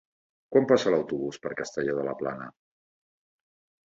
Quan passa l'autobús per Castelló de la Plana?